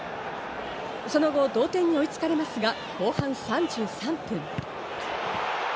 その後、同点に追いつかれますが、後半３３分。